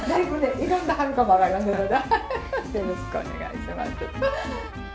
よろしくお願いします。